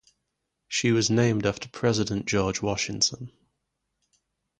She was named after President George Washington.